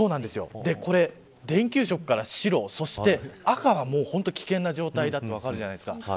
これ電球色から白そして赤は、危険な状態だと分かるじゃないですか。